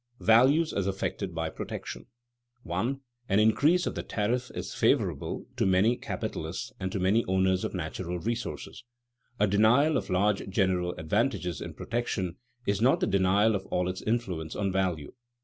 VALUES AS AFFECTED BY PROTECTION [Sidenote: Influence on the value of capital] 1. An increase of the tariff is favorable to many capitalists and to many owners of natural resources. A denial of large general advantages in protection is not the denial of all its influence on value.